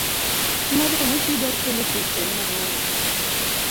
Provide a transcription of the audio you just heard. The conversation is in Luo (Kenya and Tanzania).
Pi modho mochido kelo tuoche mang'eny.